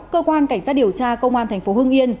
cơ quan cảnh sát điều tra công an tp hương yên